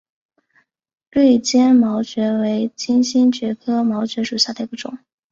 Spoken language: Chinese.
锐尖毛蕨为金星蕨科毛蕨属下的一个种。